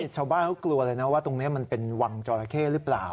ชาวบ้านเขากลัวเลยนะว่าตรงนี้มันเป็นวังจอราเข้หรือเปล่า